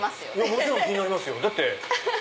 もちろん気になりますよ。